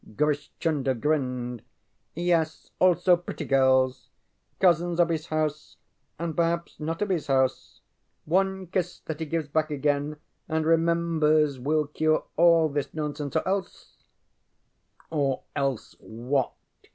Grish Chunder grinned. ŌĆ£Yes also pretty girls cousins of his house, and perhaps not of his house. One kiss that he gives back again and remembers will cure all this nonsense, or else ŌĆØ ŌĆ£Or else what?